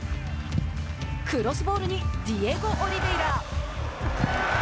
クロスボールにディエゴ・オリヴェイラ。